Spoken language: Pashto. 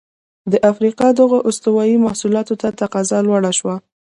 د افریقا دغو استوايي محصولاتو ته تقاضا لوړه شوه.